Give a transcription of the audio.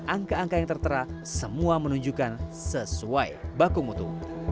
angka angka yang tertera semua menunjukkan sesuai baku mutu